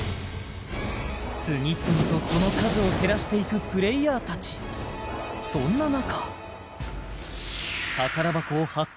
次々とその数を減らしていくプレイヤー達そんな中